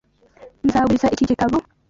Nzaguriza iki gitabo.